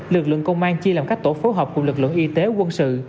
lực lượng công an chia làm các tổ phối hợp cùng lực lượng y tế quân sự